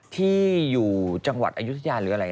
ที่อยู่จังหวัดอายุทยาหรืออะไร